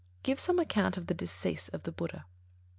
_Give some account of the decease of the Buddha?